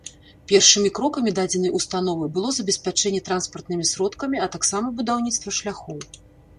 Першымі крокамі дадзенай установы было забеспячэнне транспартнымі сродкамі, а таксама будаўніцтва шляхоў.